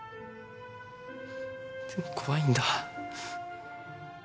でも怖いんだ。